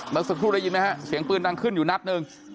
นักศักดิ์ผู้ละยินมั้ยฮะเสียงปืนนั่งขึ้นอยู่นัดหนึ่ง